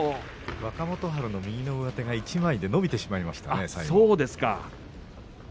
若元春の右の上手が一枚で伸びてしまいましたね。